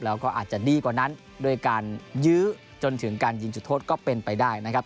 แล้วก็อาจจะดีกว่านั้นด้วยการยื้อจนถึงการยิงจุดโทษก็เป็นไปได้นะครับ